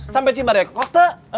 sampai cibar ya kota